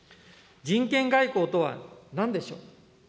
人権外交とはなんでしょう。